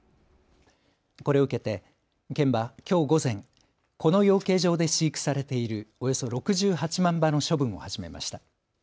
これを受けて県はきょう午前、この養鶏場で飼育されているおよそ６８万羽の処分を始めました。